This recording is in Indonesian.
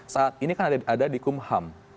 saat ini kan ada di kumham